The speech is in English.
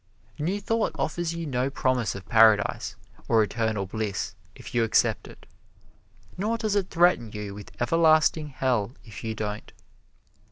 New Thought offers you no promise of paradise or eternal bliss if you accept it; nor does it threaten you with everlasting hell, if you don't.